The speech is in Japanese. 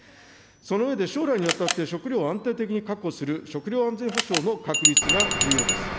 その上で将来にわたって食料を安定的に確保する食料安全保障の確立が重要です。